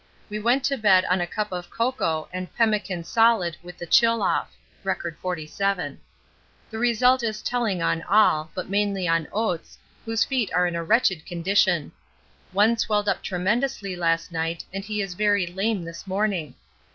We went to bed on a cup of cocoa and pemmican solid with the chill off. (R. 47.) The result is telling on all, but mainly on Oates, whose feet are in a wretched condition. One swelled up tremendously last night and he is very lame this morning.